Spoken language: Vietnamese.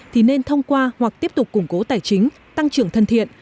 thì nên thông qua hoặc tiếp tục củng cố tài chính tăng trưởng thân thiện